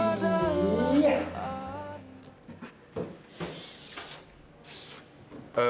aduh lu biar